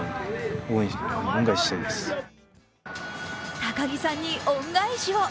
高木さんに恩返しを。